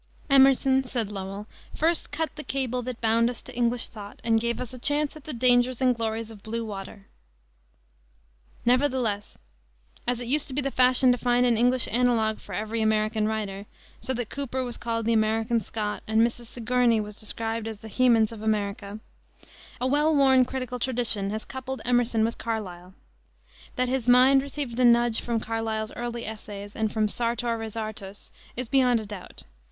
Emerson, said Lowell, first "cut the cable that bound us to English thought and gave us a chance at the dangers and glories of blue water." Nevertheless, as it used to be the fashion to find an English analogue for every American writer, so that Cooper was called the American Scott, and Mrs. Sigourney was described as the Hemans of America, a well worn critical tradition has coupled Emerson with Carlyle. That his mind received a nudge from Carlyle's early essays and from Sartor Resartus is beyond a doubt.